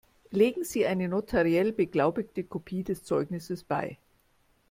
Legen Sie eine notariell beglaubigte Kopie des Zeugnisses bei.